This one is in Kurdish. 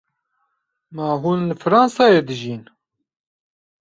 Ma hûn li Fransayê dijîn?